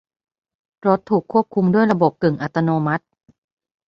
รถถูกควบคุมด้วยระบบกึ่งอัตโนมัติ